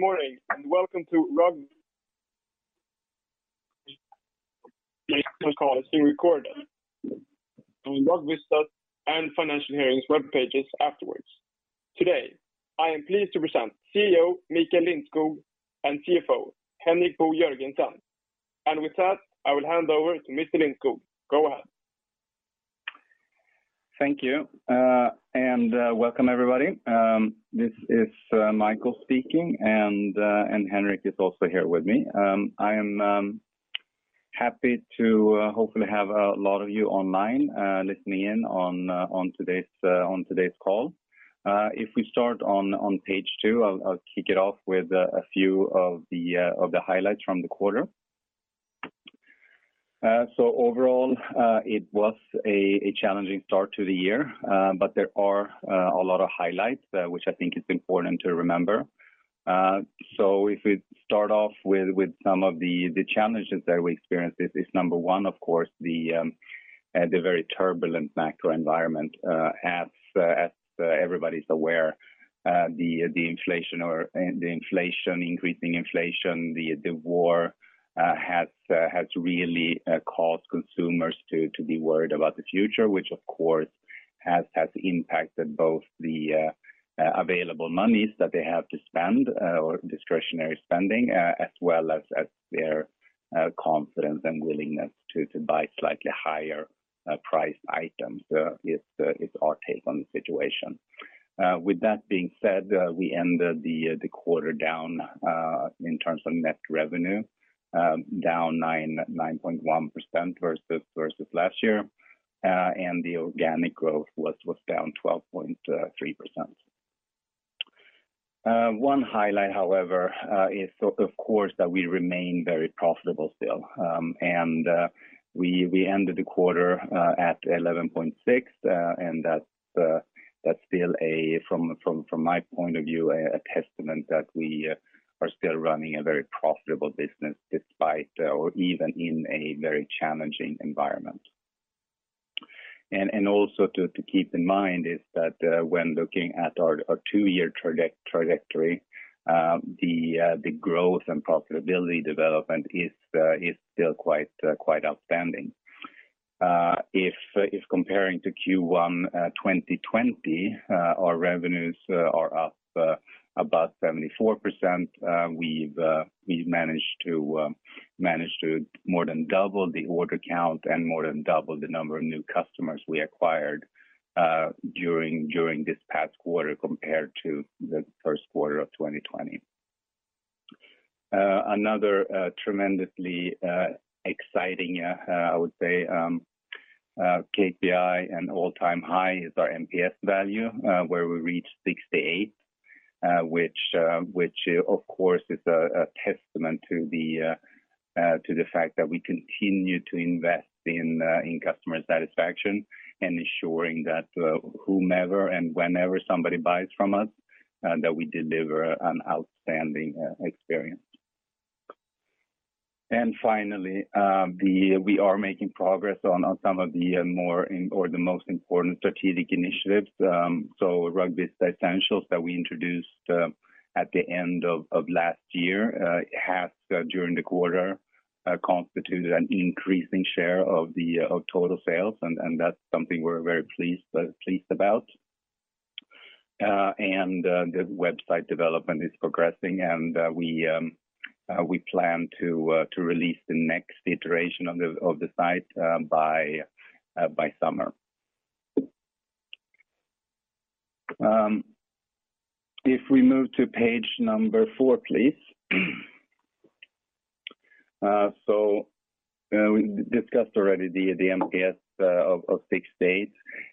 Good morning, and welcome to RugVista recorded on RugVista and Financial Hearings webpages afterwards. Today, I am pleased to present CEO Michael Lindskog and CFO Henrik Bo Jørgensen. With that, I will hand over to Mr. Lindskog. Go ahead. Thank you, and welcome everybody. This is Mikael speaking, and Henrik is also here with me. I am happy to hopefully have a lot of you online listening in on today's call. If we start on page two, I'll kick it off with a few of the highlights from the quarter. Overall, it was a challenging start to the year, but there are a lot of highlights which I think is important to remember. If we start off with some of the challenges that we experienced is number one, of course, the very turbulent macro environment. As everybody's aware, increasing inflation, the war has really caused consumers to be worried about the future, which of course has impacted both the available monies that they have to spend or discretionary spending, as well as their confidence and willingness to buy slightly higher priced items. It's our take on the situation. With that being said, we ended the quarter down in terms of net revenue, down 9.1% versus last year. The organic growth was down 12.3%. One highlight, however, is of course that we remain very profitable still. We ended the quarter at 11.6%, and that's still, from my point of view, a testament that we are still running a very profitable business despite or even in a very challenging environment. Also, to keep in mind is that when looking at our two-year trajectory, the growth and profitability development is still quite outstanding. If comparing to Q1 2020, our revenues are up above 74%. We've managed to more than double the order count and more than double the number of new customers we acquired during this past quarter compared to the first quarter of 2020. Another tremendously exciting, I would say, KPI and all-time high is our NPS value, where we reached 68, which of course is a testament to the fact that we continue to invest in customer satisfaction and ensuring that whomever and whenever somebody buys from us, that we deliver an outstanding experience. Finally, we are making progress on some of the more or the most important strategic initiatives. RugVista Essentials that we introduced at the end of last year has during the quarter constituted an increasing share of the total sales. That's something we're very pleased about. The website development is progressing, and we plan to release the next iteration of the site by summer. If we move to page number 4, please. We discussed already the NPS of 68.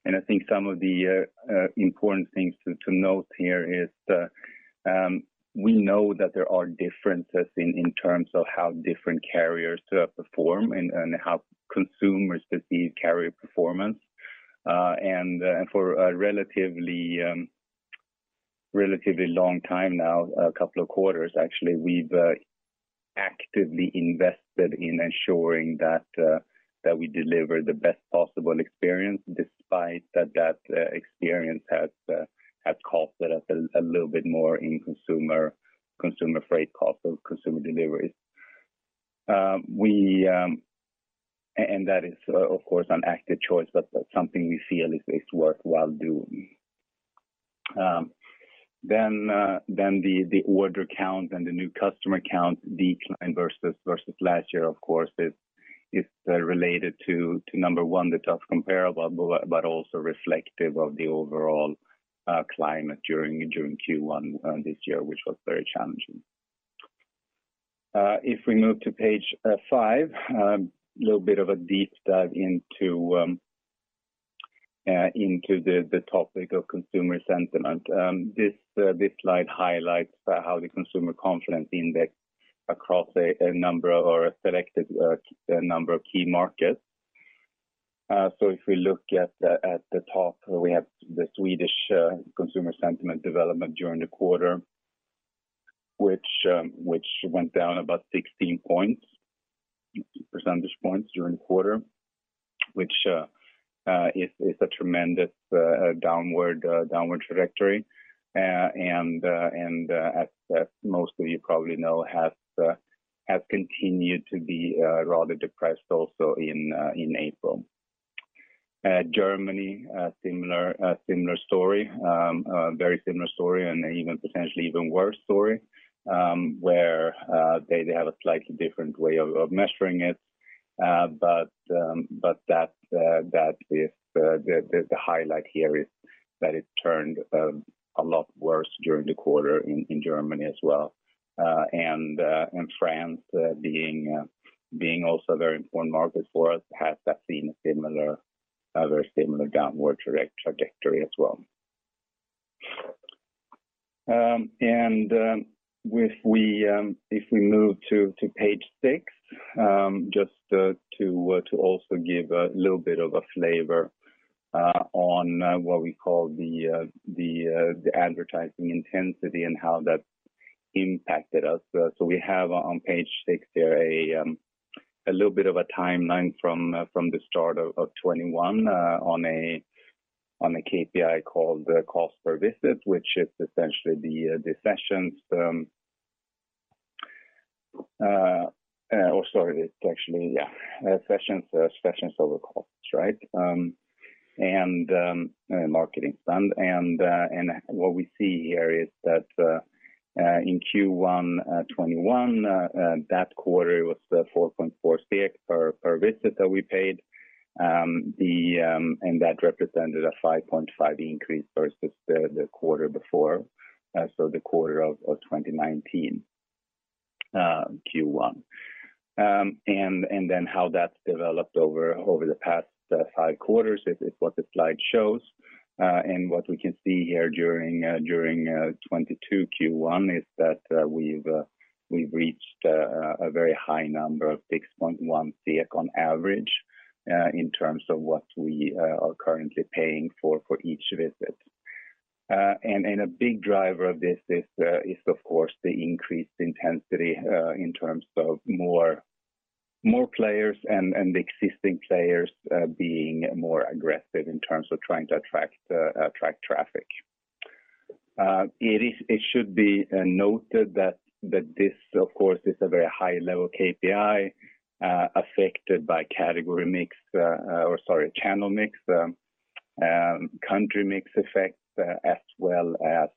I think some of the important things to note here is that we know that there are differences in terms of how different carriers perform and how consumers perceive carrier performance. For a relatively long time now, a couple of quarters actually, we've actively invested in ensuring that we deliver the best possible experience despite that experience has cost us a little bit more in consumer freight costs of consumer deliveries. That is of course, an active choice, but that's something we feel is worthwhile doing. The order count and the new customer count decline versus last year, of course, is related to number one, the tough comparable, but also reflective of the overall climate during Q1 this year, which was very challenging. If we move to page five, a little bit of a deep dive into the topic of consumer sentiment. This slide highlights how the consumer confidence index across a number or a selected number of key markets. If we look at the top, we have the Swedish consumer sentiment development during the quarter, which went down about 16 percentage points during the quarter. Which is a tremendous downward trajectory. As most of you probably know, it has continued to be rather depressed also in April. Germany, similar story, very similar story and even potentially worse story, where they have a slightly different way of measuring it. That is the highlight here is that it turned a lot worse during the quarter in Germany as well. France being also a very important market for us has seen a very similar downward trajectory as well. If we move to page six, just to also give a little bit of a flavor on what we call the advertising intensity and how that impacted us. We have on page six there a little bit of a timeline from the start of 2021 on a KPI called the cost per visit, which is essentially the sessions. Or sorry, it's actually sessions over costs, right? Marketing spend. What we see here is that in Q1 2021 that quarter was the 4.4 SEK per visit that we paid. That represented a 5.5% increase versus the quarter before, so the quarter of 2019 Q1. How that's developed over the past five quarters is what the slide shows. What we can see here during 2022 Q1 is that we've reached a very high number of 6.1 SEK on average in terms of what we are currently paying for each visit. A big driver of this is of course the increased intensity in terms of more players and existing players being more aggressive in terms of trying to attract traffic. It should be noted that this of course is a very high level KPI affected by category mix, or sorry, channel mix, country mix effect, as well as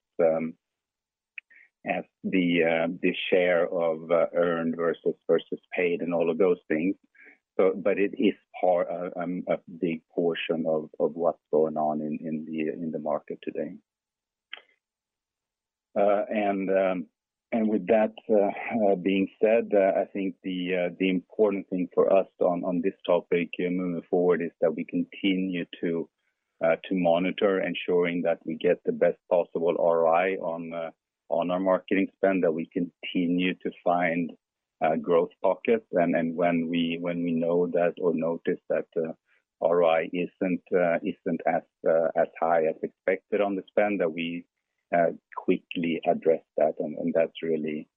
the share of earned versus paid and all of those things. It is part of a big portion of what's going on in the market today. With that being said, I think the important thing for us on this topic moving forward is that we continue to monitor ensuring that we get the best possible ROI on our marketing spend, that we continue to find growth pockets. When we know that or notice that ROI isn't as high as expected on the spend, that we quickly address that. That's really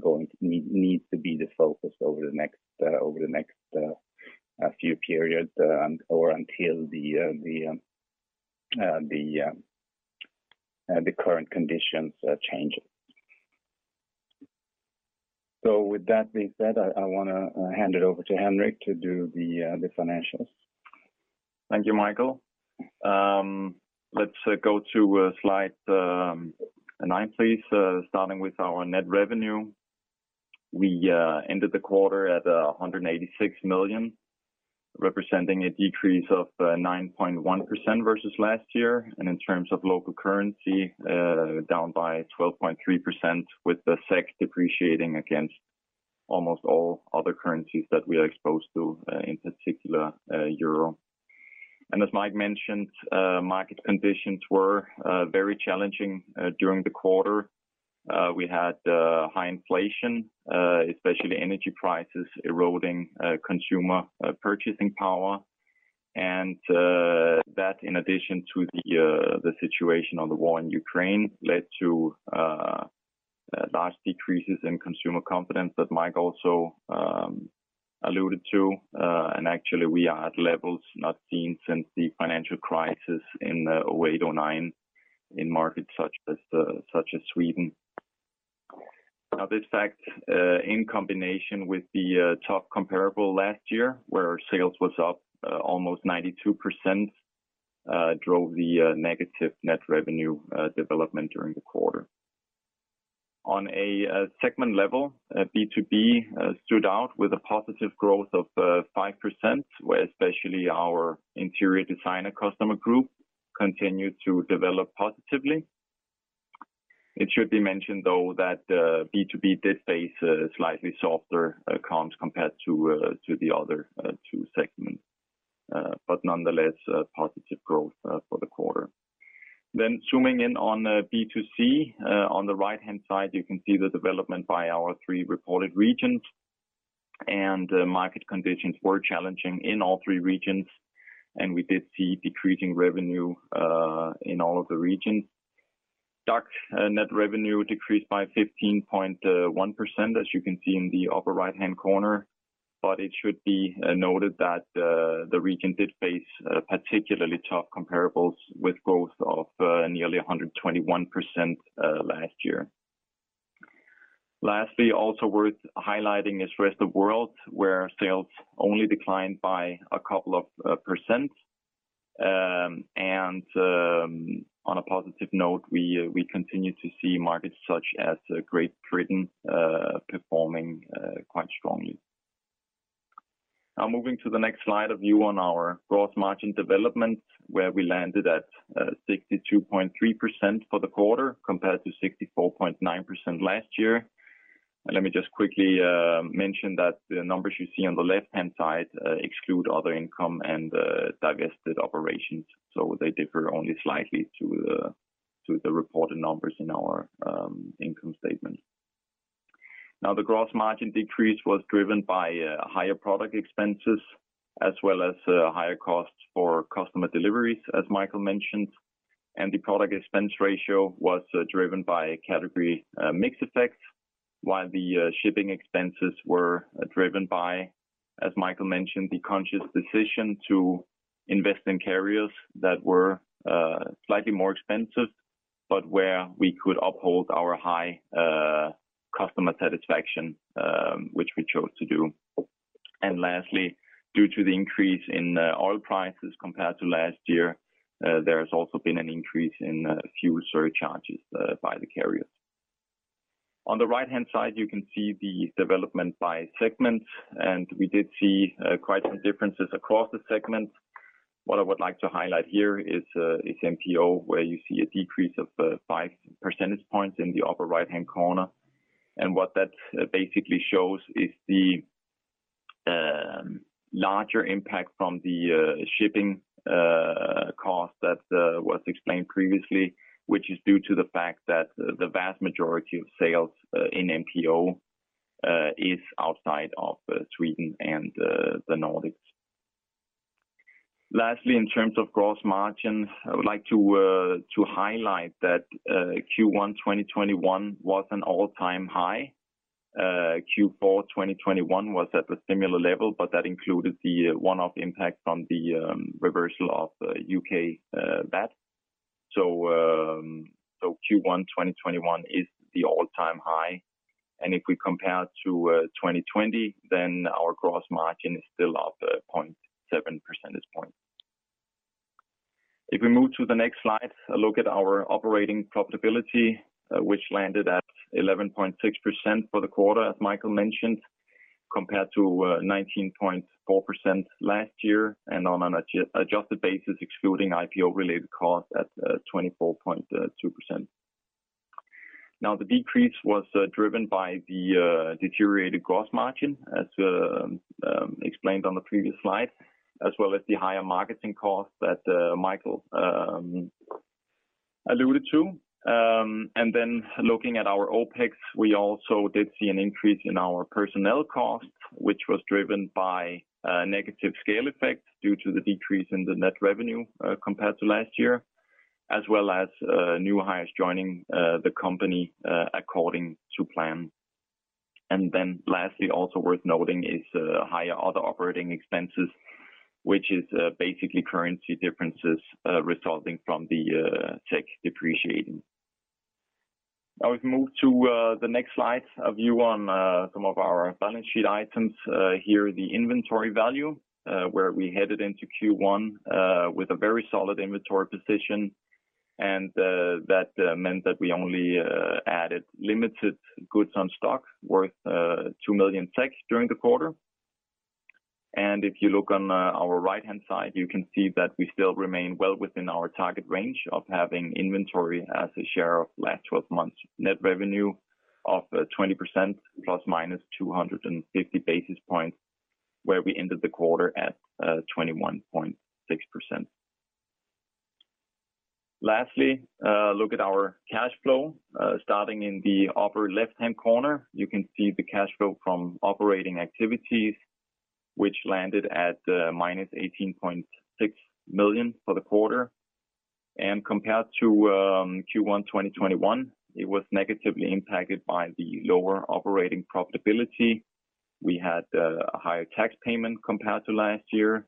going to need to be the focus over the next few periods, or until the current conditions change. With that being said, I wanna hand it over to Henrik to do the financials. Thank you, Mikael. Let's go to slide 9 please. Starting with our net revenue. We ended the quarter at 186 million, representing a decrease of 9.1% versus last year. In terms of local currency, down by 12.3% with the SEK depreciating against almost all other currencies that we are exposed to, in particular, euro. As Mike mentioned, market conditions were very challenging during the quarter. We had high inflation, especially energy prices eroding consumer purchasing power. That in addition to the situation of the war in Ukraine led to large decreases in consumer confidence that Mike also alluded to. Actually we are at levels not seen since the financial crisis in 2008, 2009 in markets such as Sweden. Now, this fact in combination with the tough comparable last year where our sales was up almost 92%, drove the negative net revenue development during the quarter. On a segment level, B2B stood out with a positive growth of 5%, where especially our interior designer customer group continued to develop positively. It should be mentioned though that B2B did face a slightly softer comps compared to the other two segments. But nonetheless, a positive growth for the quarter. Zooming in on B2C, on the right-hand side you can see the development by our three reported regions. Market conditions were challenging in all three regions, and we did see decreasing revenue in all of the regions. DACH net revenue decreased by 15.1%, as you can see in the upper right-hand corner, but it should be noted that the region did face a particularly tough comparables with growth of nearly 121% last year. Lastly, also worth highlighting is rest of world, where sales only declined by a couple of percent. On a positive note, we continue to see markets such as Great Britain performing quite strongly. Now moving to the next slide, a view on our gross margin development, where we landed at 62.3% for the quarter, compared to 64.9% last year. Let me just quickly mention that the numbers you see on the left-hand side exclude other income and divested operations. They differ only slightly to the reported numbers in our income statement. Now, the gross margin decrease was driven by higher product expenses as well as higher costs for customer deliveries, as Michael mentioned. The product expense ratio was driven by category mix effects, while the shipping expenses were driven by, as Michael mentioned, the conscious decision to invest in carriers that were slightly more expensive, but where we could uphold our high customer satisfaction, which we chose to do. Lastly, due to the increase in oil prices compared to last year, there has also been an increase in fuel surcharges by the carriers. On the right-hand side, you can see the development by segment, and we did see quite some differences across the segments. What I would like to highlight here is MPO, where you see a decrease of 5 percentage points in the upper right-hand corner. What that basically shows is the larger impact from the shipping cost that was explained previously, which is due to the fact that the vast majority of sales in MPO is outside of Sweden and the Nordics. Lastly, in terms of gross margin, I would like to highlight that Q1 2021 was an all-time high. Q4 2021 was at a similar level, but that included the one-off impact from the reversal of the UK VAT. Q1 2021 is the all-time high. If we compare to 2020, then our gross margin is still up 0.7 percentage point. If we move to the next slide, a look at our operating profitability, which landed at 11.6% for the quarter, as Mikael mentioned, compared to 19.4% last year. On an adjusted basis, excluding IPO related costs at 24.2%. Now, the decrease was driven by the deteriorated gross margin as explained on the previous slide, as well as the higher marketing costs that Mikael alluded to. Looking at our OpEx, we also did see an increase in our personnel costs, which was driven by negative scale effects due to the decrease in the net revenue compared to last year, as well as new hires joining the company according to plan. Lastly, also worth noting is higher other operating expenses, which is basically currency differences resulting from the SEK depreciating. Now we've moved to the next slide, a view on some of our balance sheet items. Here the inventory value where we headed into Q1 with a very solid inventory position. That meant that we only added limited goods on stock worth 2 million during the quarter. If you look on our right-hand side, you can see that we still remain well within our target range of having inventory as a share of last twelve months net revenue of 20% ± 250 basis points, where we ended the quarter at 21.6%. Lastly, look at our cash flow. Starting in the upper left-hand corner, you can see the cash flow from operating activities, which landed at -18.6 million for the quarter. Compared to Q1 2021, it was negatively impacted by the lower operating profitability. We had a higher tax payment compared to last year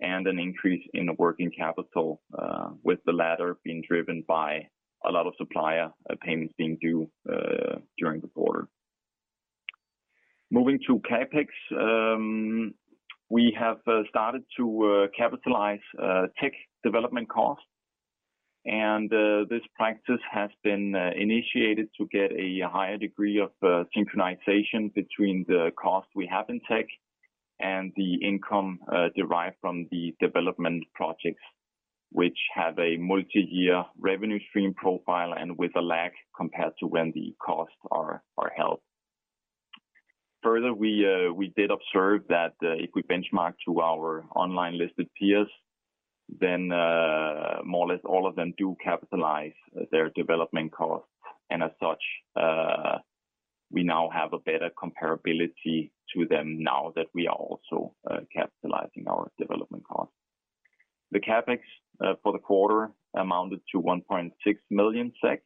and an increase in working capital, with the latter being driven by a lot of supplier payments being due during the quarter. Moving to CapEx, we have started to capitalize tech development costs. This practice has been initiated to get a higher degree of synchronization between the costs we have in tech and the income derived from the development projects, which have a multiyear revenue stream profile and with a lag compared to when the costs are held. Further, we did observe that if we benchmark to our online listed peers, then more or less all of them do capitalize their development costs. As such, we now have a better comparability to them now that we are also capitalizing our development costs. The CapEx for the quarter amounted to 1.6 million SEK,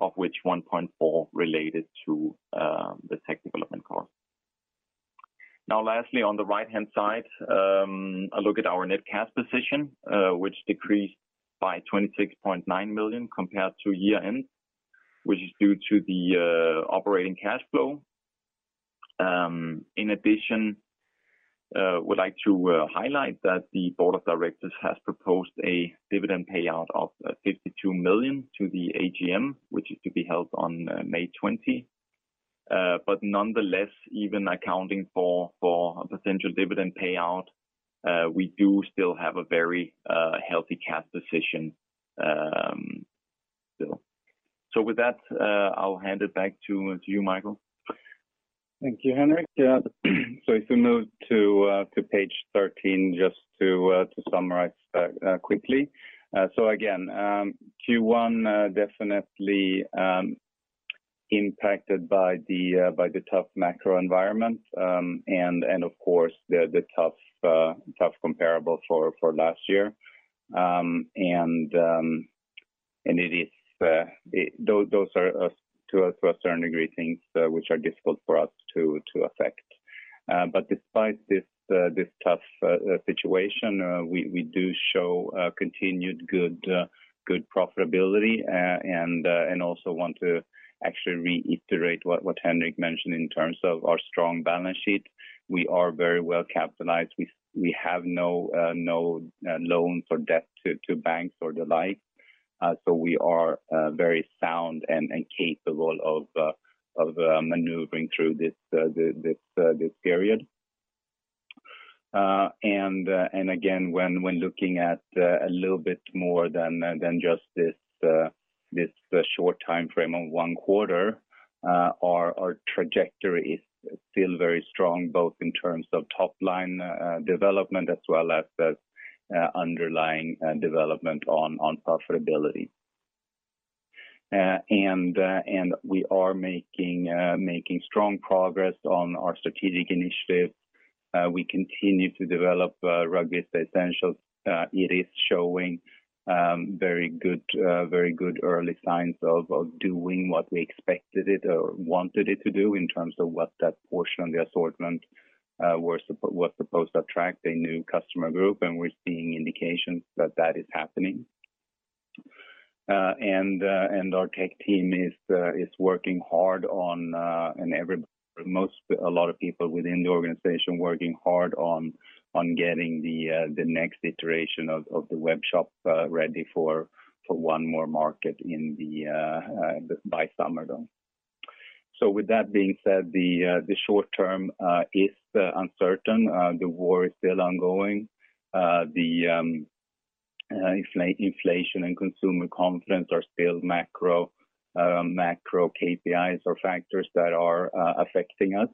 of which 1.4 related to the tech development cost. Now lastly, on the right-hand side, a look at our net cash position, which decreased by 26.9 million compared to year-end, which is due to the operating cash flow. In addition, would like to highlight that the board of directors has proposed a dividend payout of 52 million to the AGM, which is to be held on May 20. But nonetheless, even accounting for a potential dividend payout, we do still have a very healthy cash position, still. With that, I'll hand it back to you, Michael. Thank you, Henrik. Yeah. If we move to page 13 just to summarize quickly. Again, Q1 definitely impacted by the tough macro environment. Of course the tough comparable for last year. Those are to a certain degree things which are difficult for us to affect. Despite this tough situation, we do show continued good profitability and also want to actually reiterate what Henrik mentioned in terms of our strong balance sheet. We are very well capitalized. We have no loans or debt to banks or the like. We are very sound and capable of maneuvering through this period. Again, when looking at a little bit more than just this short time frame of one quarter, our trajectory is still very strong, both in terms of top line development as well as underlying development on profitability. We are making strong progress on our strategic initiatives. We continue to develop RugVista Essentials. It is showing very good early signs of doing what we expected it or wanted it to do in terms of what that portion of the assortment was supposed to attract, a new customer group, and we're seeing indications that that is happening. Our tech team is working hard on, and a lot of people within the organization working hard on getting the next iteration of the webshop ready for one more market in the by summer though. With that being said, the short term is uncertain. The war is still ongoing. Inflation and consumer confidence are still macro KPIs or factors that are affecting us.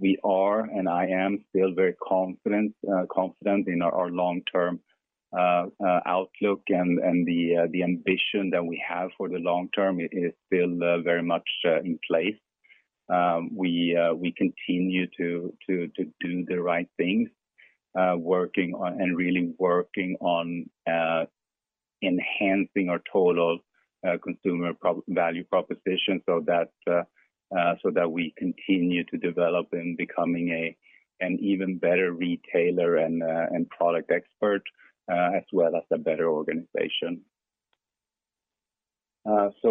We are and I am still very confident in our long-term outlook and the ambition that we have for the long term. It is still very much in place. We continue to do the right things, working on and really working on enhancing our total consumer value proposition so that we continue to develop in becoming an even better retailer and product expert, as well as a better organization.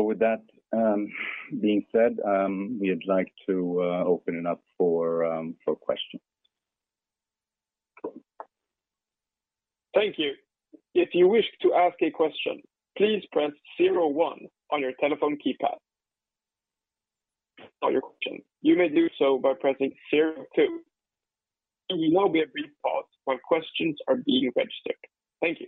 With that being said, we would like to open it up for questions. Thank you. If you wish to ask a question, please press zero one on your telephone keypad. For your question, you may do so by pressing zero two. You will now be on brief pause while questions are being registered. Thank you.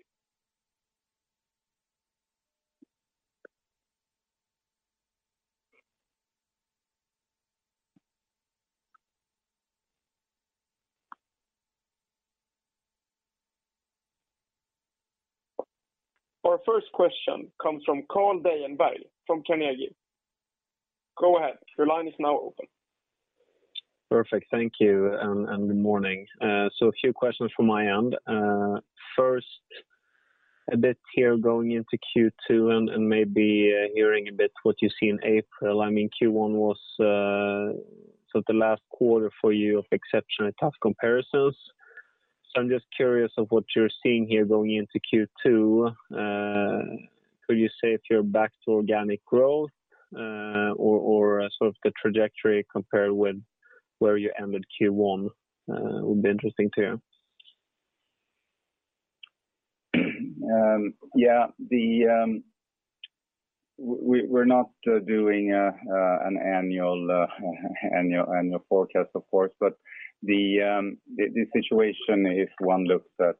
Our first question comes from Carl Deijenberg from Carnegie. Go ahead. Your line is now open. Perfect. Thank you and good morning. A few questions from my end. First, a bit here going into Q2 and maybe hearing a bit what you see in April. I mean, Q1 was sort of the last quarter for you of exceptionally tough comparisons. I'm just curious of what you're seeing here going into Q2. Could you say if you're back to organic growth or sort of the trajectory compared with where you ended Q1 would be interesting to hear. Yeah. We're not doing an annual forecast of course, but the situation if one looks at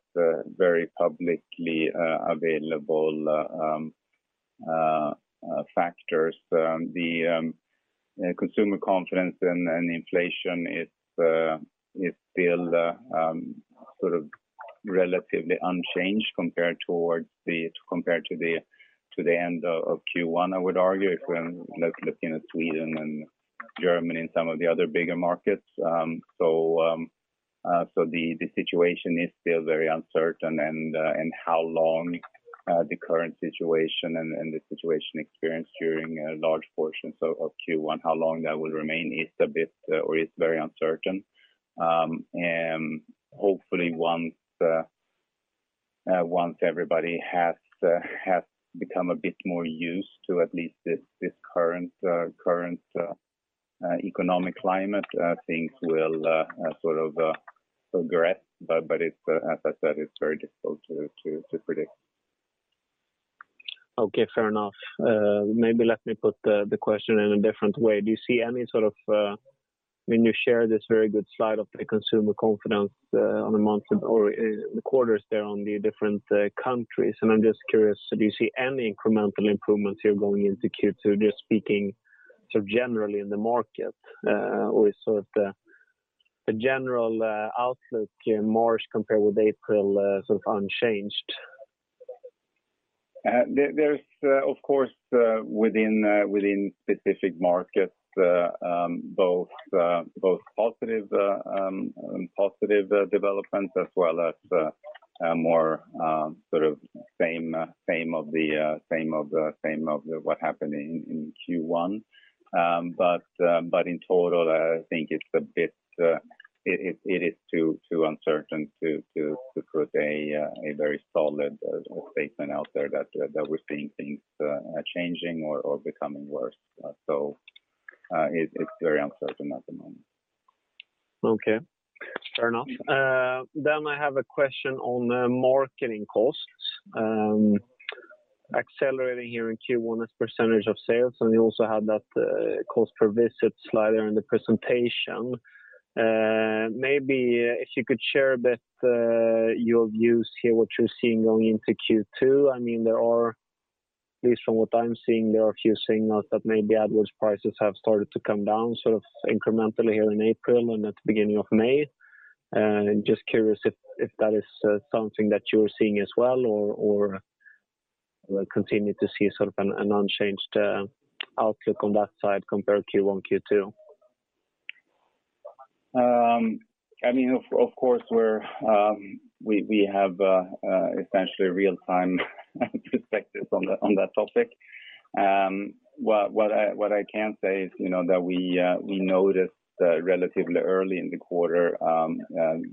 very publicly available factors, the consumer confidence and inflation is still sort of relatively unchanged compared to the end of Q1, I would argue, if we're looking at Sweden and Germany and some of the other bigger markets. The situation is still very uncertain and how long the current situation and the situation experienced during a large portion of Q1 will remain is very uncertain. Hopefully once everybody has become a bit more used to at least this current economic climate, things will sort of progress. It's, as I said, it's very difficult to predict. Okay, fair enough. Maybe let me put the question in a different way. When you share this very good slide of the consumer confidence, on a month or the quarters there on the different countries, and I'm just curious, so do you see any incremental improvements here going into Q2, just speaking sort of generally in the market? Or is sort of the general outlook in March compared with April sort of unchanged? There's of course within specific markets both positive developments as well as more of the same as what happened in Q1. In total, I think it is too uncertain to put a very solid statement out there that we're seeing things changing or becoming worse. It's very uncertain at the moment. Okay. Fair enough. I have a question on the marketing costs accelerating here in Q1 as percentage of sales, and you also have that cost per visit slide there in the presentation. Maybe if you could share a bit your views here, what you're seeing going into Q2. I mean, there are, at least from what I'm seeing, a few signals that maybe ad prices have started to come down sort of incrementally here in April and at the beginning of May. Just curious if that is something that you're seeing as well, or we'll continue to see sort of an unchanged outlook on that side compared Q1, Q2. I mean, of course, we have essentially real-time perspective on that topic. What I can say is, you know, that we noticed relatively early in the quarter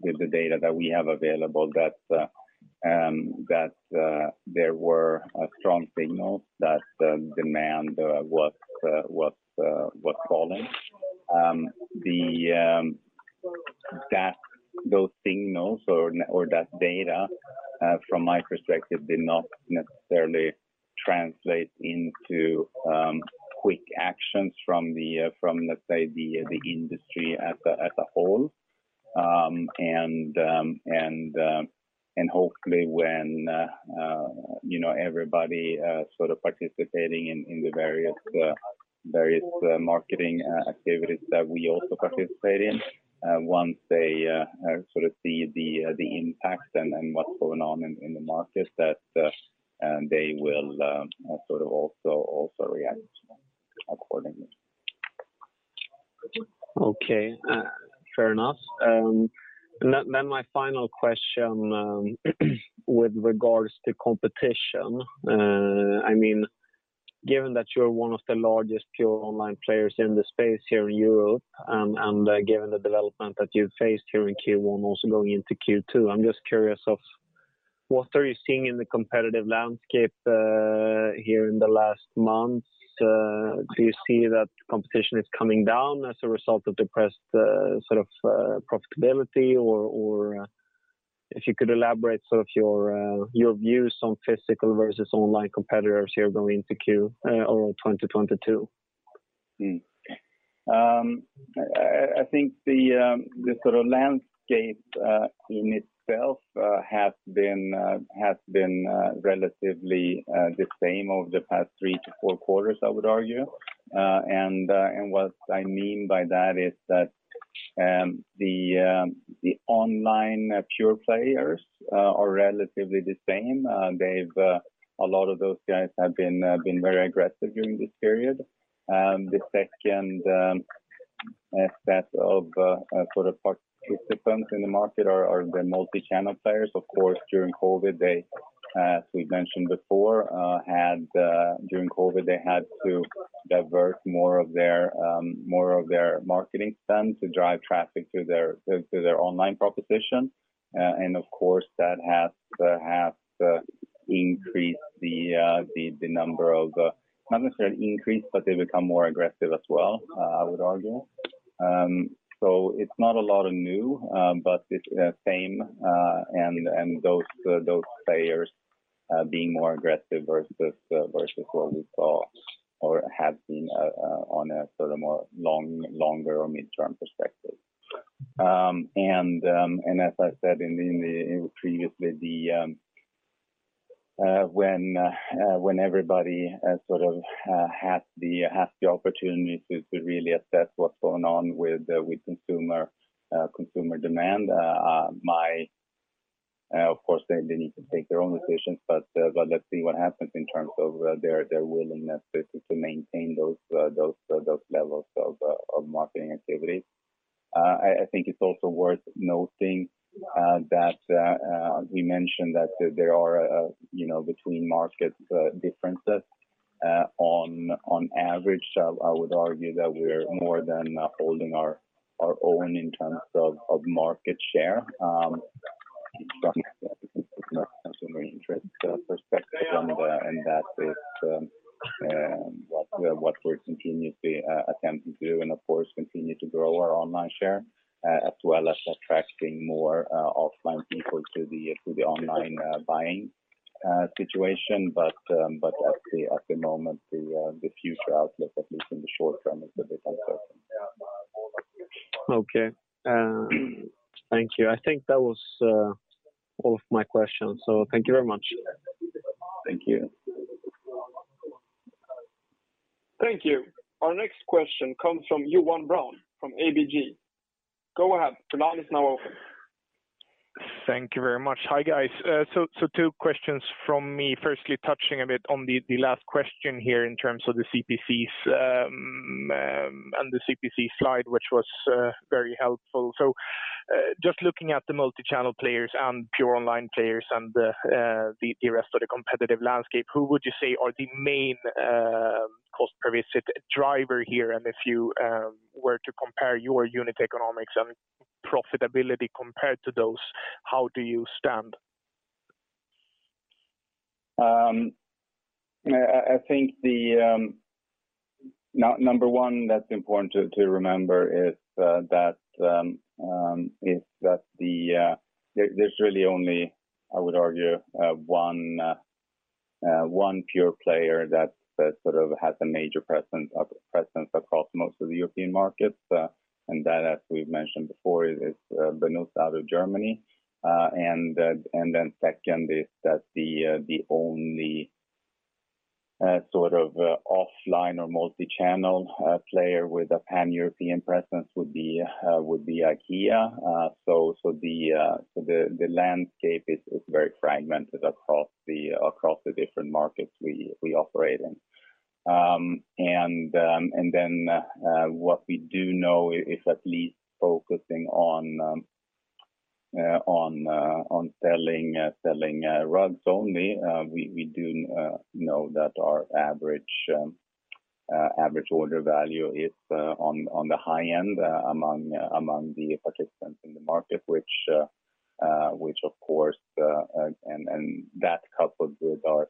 with the data that we have available that there were strong signals that the demand was falling. That those signals or that data, from my perspective, did not necessarily translate into quick actions from, let's say, the industry as a whole. Hopefully when, you know, everybody sort of participating in the various marketing activities that we also participate in, once they sort of see the impact and what's going on in the market that they will sort of also react accordingly. Okay. Fair enough. My final question with regards to competition, I mean, given that you're one of the largest pure online players in the space here in Europe and given the development that you faced here in Q1 also going into Q2, I'm just curious of what are you seeing in the competitive landscape here in the last months? Do you see that competition is coming down as a result of depressed sort of profitability or if you could elaborate sort of your views on physical versus online competitors here going into 2022. I think the sort of landscape in itself has been relatively the same over the past 3-4 quarters, I would argue. What I mean by that is that the online pure players are relatively the same. A lot of those guys have been very aggressive during this period. The second set of sort of participants in the market are the multi-channel players. Of course, during COVID, they, as we've mentioned before, had to divert more of their marketing spend to drive traffic to their online proposition. Of course, that has not necessarily increased the number, but they become more aggressive as well, I would argue. It's not a lot of new, but it's the same, and those players being more aggressive versus what we saw or have been on a sort of longer or midterm perspective. As I said previously, when everybody sort of has the opportunity to really assess what's going on with consumer demand, of course they need to take their own decisions, but let's see what happens in terms of their willingness to maintain those levels of marketing activity. I think it's also worth noting that we mentioned that there are, you know, between markets differences on average. I would argue that we're more than holding our own in terms of market share from a consumer interest perspective. That is what we're continuously attempting to do, and of course continue to grow our online share as well as attracting more offline people to the online buying situation. At the moment the future outlook, at least in the short term, is a bit uncertain. Okay. Thank you. I think that was all of my questions. Thank you very much. Thank you. Thank you. Our next question comes from Johan Brown from ABG. Go ahead. The line is now open. Thank you very much. Hi, guys. Two questions from me. Firstly, touching a bit on the last question here in terms of the CPCs and the CPC slide, which was very helpful. Just looking at the multichannel players and pure online players and the rest of the competitive landscape, who would you say are the main cost per visit driver here? And if you were to compare your unit economics and profitability compared to those, how do you stand? I think number one that's important to remember is that there's really only, I would argue, one pure player that sort of has a major presence across most of the European markets. That, as we've mentioned before, is Benuta out of Germany. Second is that the only sort of offline or multichannel player with a pan-European presence would be IKEA. The landscape is very fragmented across the different markets we operate in. What we do know is at least focusing on selling rugs only. We do know that our average order value is on the high end among the participants in the market, which of course and that coupled with our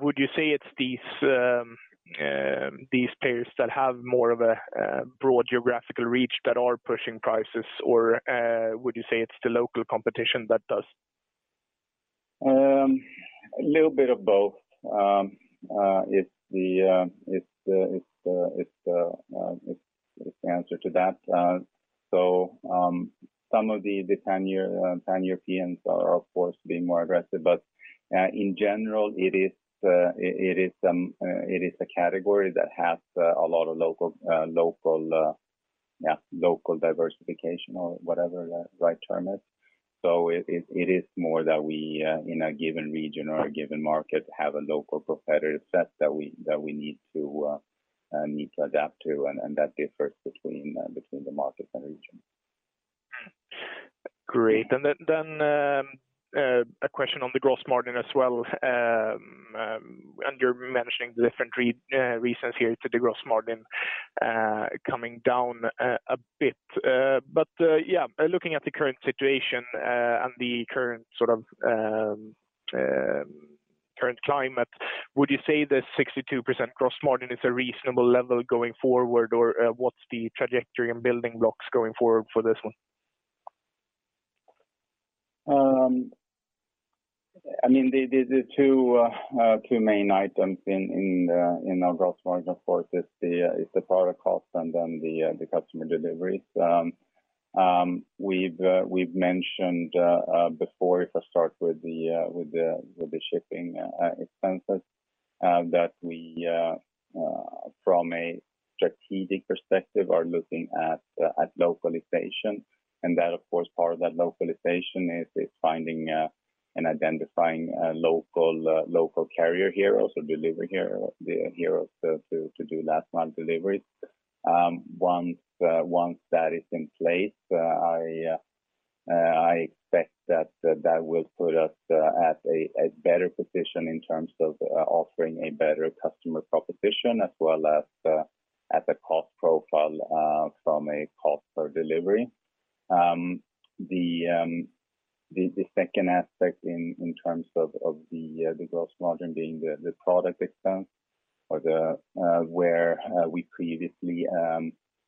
Would you say it's these players that have more of a broad geographical reach that are pushing prices? Would you say it's the local competition that does? A little bit of both is the answer to that. Some of the pan-Europeans are of course being more aggressive. In general, it is a category that has a lot of local diversification or whatever the right term is. It is more that we in a given region or a given market have a local competitor set that we need to adapt to, and that differs between the markets and regions. Great. A question on the gross margin as well. You're mentioning different reasons here for the gross margin coming down a bit. Looking at the current situation and the current sort of climate, would you say the 62% gross margin is a reasonable level going forward? Or, what's the trajectory and building blocks going forward for this one? I mean, the two main items in our gross margin, of course, is the product cost and then the customer deliveries. We've mentioned before, if I start with the shipping expenses, that we from a strategic perspective are looking at localization. That of course, part of that localization is finding and identifying a local carrier here also to deliver here to do last mile deliveries. Once that is in place, I expect that that will put us at a better position in terms of offering a better customer proposition as well as a cost profile from a cost per delivery. The second aspect, in terms of the gross margin being the product expense or where we previously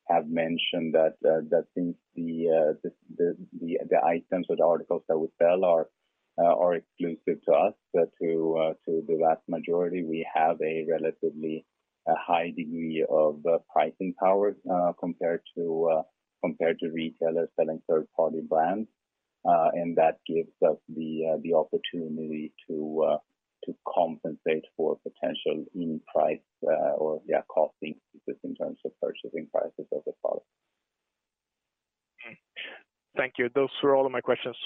have mentioned that since the items or the articles that we sell are exclusive to us, to the vast majority, we have a relatively high degree of pricing power compared to retailers selling third-party brands. That gives us the opportunity to compensate for potential increases in price or, yeah, cost increases just in terms of purchasing prices of the product. Thank you. Those were all of my questions.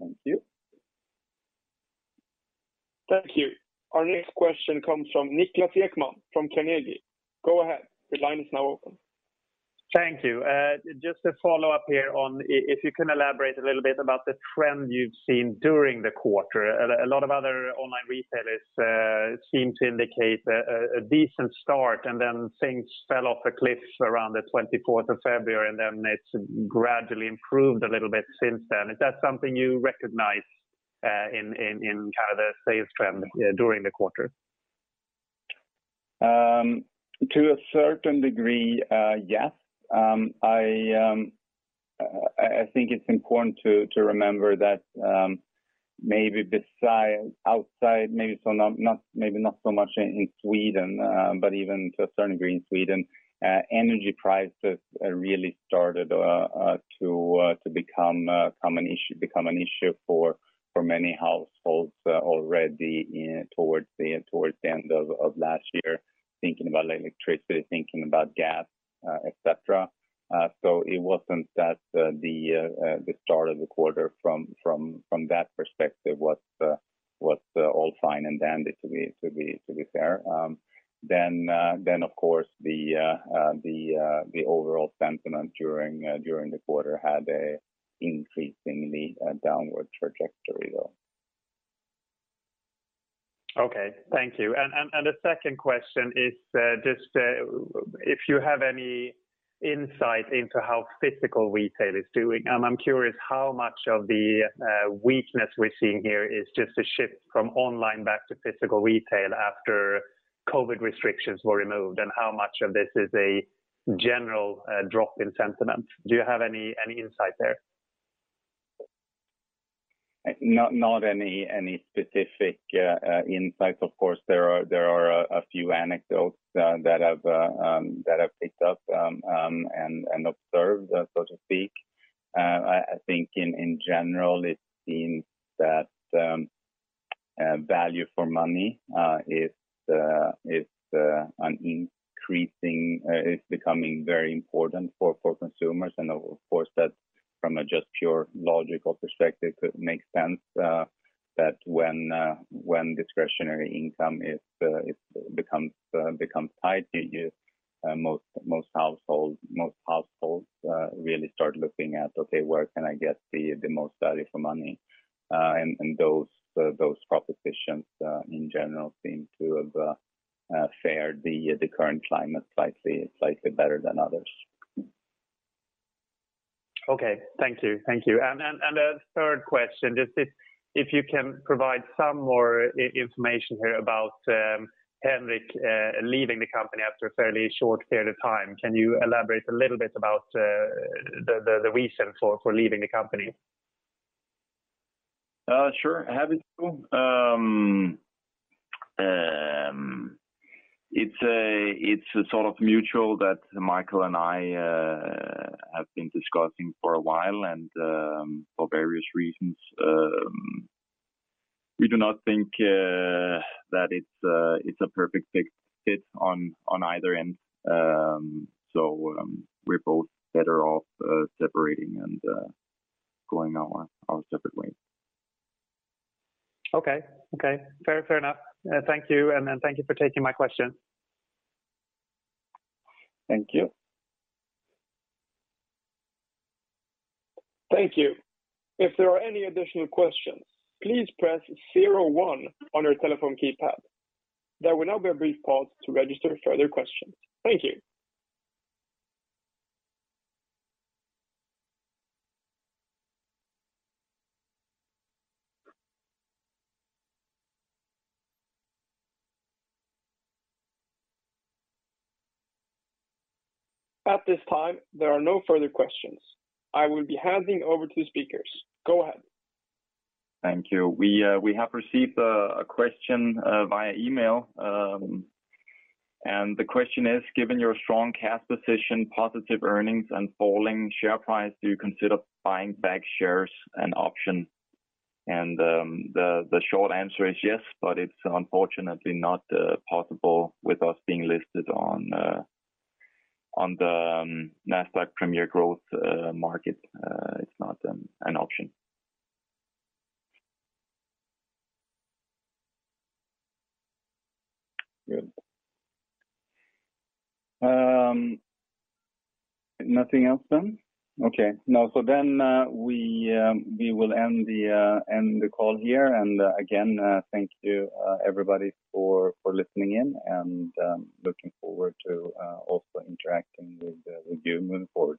Thank you. Thank you. Our next question comes from Niklas Ekman from Carnegie. Go ahead, the line is now open. Thank you. Just to follow up here on if you can elaborate a little bit about the trend you've seen during the quarter. A lot of other online retailers seem to indicate a decent start, and then things fell off a cliff around the twenty-fourth of February, and then it's gradually improved a little bit since then. Is that something you recognize in kind of the sales trend during the quarter? To a certain degree, yes. I think it's important to remember that maybe outside, maybe not so much in Sweden, but even to a certain degree in Sweden, energy prices really started to become an issue for many households already towards the end of last year, thinking about electricity, thinking about gas, et cetera. It wasn't that the start of the quarter from that perspective was all fine and dandy, to be fair. Of course, the overall sentiment during the quarter had an increasingly downward trajectory, though. Okay. Thank you. The second question is, just, if you have any insight into how physical retail is doing? I'm curious how much of the weakness we're seeing here is just a shift from online back to physical retail after COVID restrictions were removed, and how much of this is a general drop in sentiment. Do you have any insight there? Not any specific insight. Of course, there are a few anecdotes that I've picked up and observed, so to speak. I think in general it seems that value for money is becoming very important for consumers. Of course, that from a just pure logical perspective could make sense, that when discretionary income becomes tight, most households really start looking at, okay, where can I get the most value for money? Those propositions in general seem to have fared the current climate slightly better than others. Okay. Thank you. Thank you. A third question, just if you can provide some more information here about Henrik leaving the company after a fairly short period of time. Can you elaborate a little bit about the reason for leaving the company? Sure. Happy to. It's a sort of mutual that Michael and I have been discussing for a while and for various reasons. We do not think that it's a perfect fit on either end. We're both better off separating and going our separate ways. Okay. Fair enough. Thank you, and then thank you for taking my questions. Thank you. Thank you. If there are any additional questions, please press zero one on your telephone keypad. There will now be a brief pause to register further questions. Thank you. At this time, there are no further questions. I will be handing over to the speakers. Go ahead. Thank you. We have received a question via email. The question is: Given your strong cash position, positive earnings and falling share price, do you consider buying back shares an option? The short answer is yes, but it's unfortunately not possible with us being listed on the Nasdaq First North Premier Growth Market. It's not an option. Good. Nothing else then? Okay. No, we will end the call here. Again, thank you everybody for listening in, and looking forward to also interacting with you moving forward.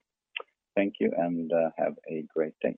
Thank you, and have a great day.